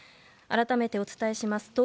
改めて、お伝えします。